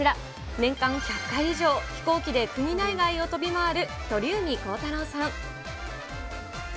年間１００回以上、飛行機で国内外を飛び回る、鳥海高太朗さん。